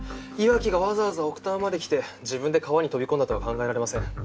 岩城がわざわざ奥多摩まで来て自分で川に飛び込んだとは考えられません。